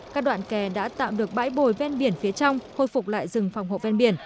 các đoạn kè đã tạo được bãi bồi ven biển phía trong hồi phục lại rừng phòng hộ ven biển